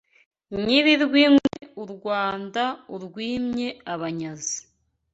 Nyiri-Rwingwe u Rwanda urwimye abanyazi